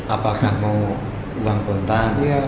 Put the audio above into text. apakah mau uang kontan